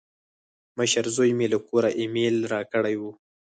مشر زوی مې له کوره ایمیل راکړی و.